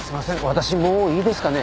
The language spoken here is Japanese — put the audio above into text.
私もういいですかね？